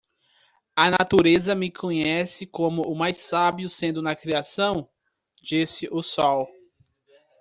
"A natureza me conhece como o mais sábio sendo na criação?", disse o sol.